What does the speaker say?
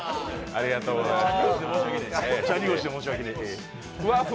ありがとうございます。